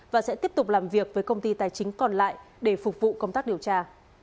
và sẽ tiếp tục làm việc với công ty tài chính còn lại để phục vụ công tác điều tra